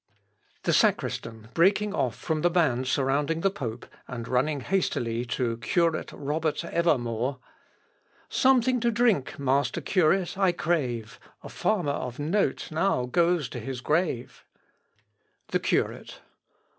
The SACRISTAN, breaking off from the band surrounding the pope, and running hastily to CURATE ROBERT EVER MORE Something to drink, Master Curate, I crave; A farmer of note now goes to his grave. THE CURATE.